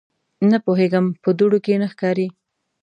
_نه پوهېږم، په دوړو کې نه ښکاري.